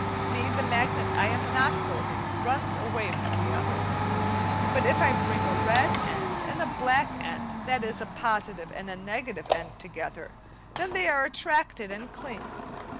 See! the magnet I am not holding runs away from the other. But if I bring a red end and a black end, that is, a positive and a negative end together, then they are attracted and cling.